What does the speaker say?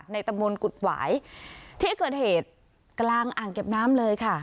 ในตะมนต์กุดหวายที่เกิดเหตุกำลังอ่างเก็บน้ำเลยค่ะ